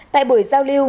tại buổi giao lưu